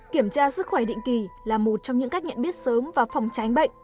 kiểm tra sức khỏe định kỳ là một trong những cách nhận biết sớm và phòng tránh bệnh